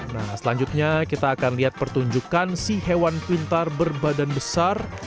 nah selanjutnya kita akan lihat pertunjukan si hewan pintar berbadan besar